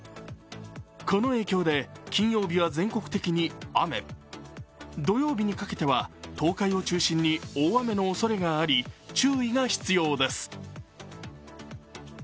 この影響で金曜日は全国的に雨、土曜日にかけては東海を中心に大雨のおそれがあり注意が必要です。